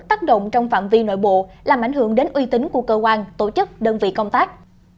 tác động trong phạm vi nội bộ làm ảnh hưởng đến uy tín của cơ quan tổ chức đơn vị công tác